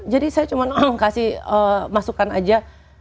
jadi saya cuman kasih masukan aja